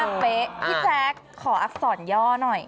ล้นร้าเป๊ะพี่แซ่กขออักษรย่อหน่อย